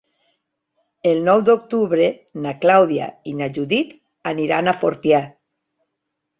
El nou d'octubre na Clàudia i na Judit aniran a Fortià.